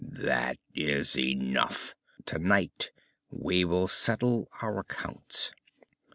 "That is enough! Tonight we will settle our accounts."